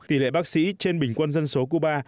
tỷ lệ bác sĩ trên bình quân dân số cuba